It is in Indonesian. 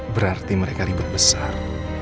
berarti mereka ribet besar